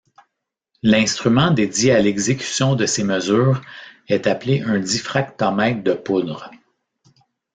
L'instrument dédié à l'exécution de ces mesures est appelé un diffractomètre de poudre.